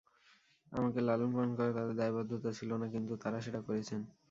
আমাকে লালনপালন করা তাঁদের দায়বদ্ধতা ছিল না, কিন্তু তাঁরা সেটা করেছেন।